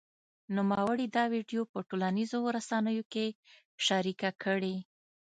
نوموړي دا ویډیو په ټولنیزو رسنیو کې شرېکه کړې